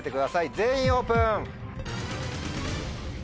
全員オープン！